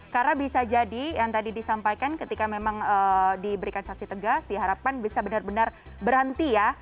karena bisa jadi yang tadi disampaikan ketika memang diberikan saksi tegas diharapkan bisa benar benar berhenti ya